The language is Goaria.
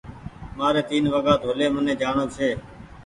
مآري تين وگآ ڊولي مني جآڻو ڇي